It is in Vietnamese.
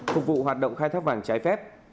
phục vụ hoạt động khai thác vàng trái phép